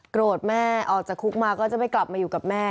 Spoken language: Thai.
แม่ออกจากคุกมาก็จะไม่กลับมาอยู่กับแม่